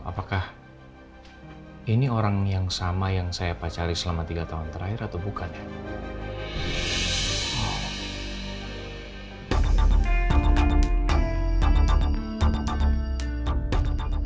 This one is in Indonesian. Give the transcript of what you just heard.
apakah ini orang yang sama yang saya pacari selama tiga tahun terakhir atau bukan